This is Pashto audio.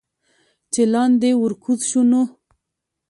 چې لاندې ورکوز شو نو